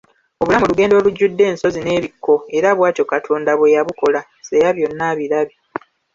Obulamu lugendo olujjudde ensozi n'ebikko era bw'atyo Katonda bwe yabukola, Seya byona abilabye.